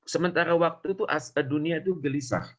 sementara waktu itu dunia itu gelisah